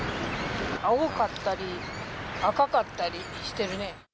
青かったり、赤かったりしてるね。